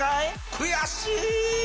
悔しい！